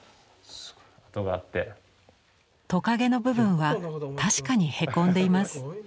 トカゲの部分は確かにへこんでいます。